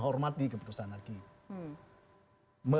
hormati keputusan hakim